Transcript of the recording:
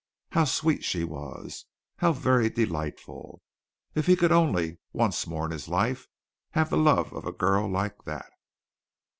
How sweet she was! How very delightful! If he could only, once more in his life, have the love of a girl like that!